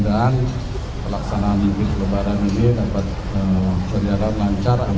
dengan senang hati kita akan menangani